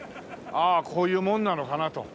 ああこういうものなのかなと。